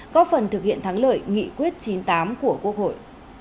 có phần thực hiện thắng lợi nghị quyết chín mươi tám của quốc hội